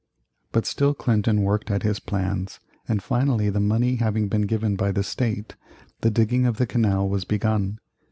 But still Clinton worked at his plans, and finally, the money having been given by the State, the digging of the canal was begun.